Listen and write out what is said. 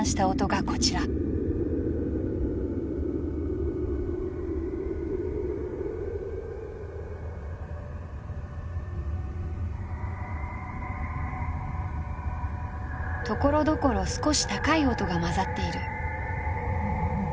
ところどころ少し高い音が交ざっている。